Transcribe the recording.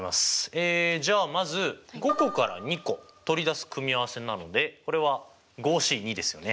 えじゃあまず５個から２個取り出す組合せなのでこれはＣですよね？